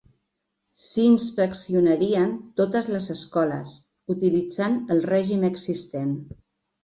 S'inspeccionarien totes les escoles, utilitzant el règim existent.